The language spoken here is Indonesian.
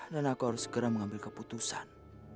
dan aku harus segera mengambil keputusan